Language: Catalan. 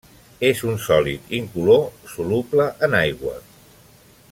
És un sòlid incolor soluble en aigua.